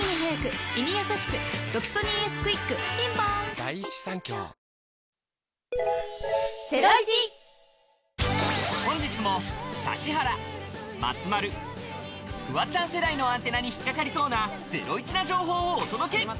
「ロキソニンＳクイック」ピンポーン本日も指原、松丸、フワちゃん世代のアンテナに引っ掛かりそうなゼロイチな情報をお届け！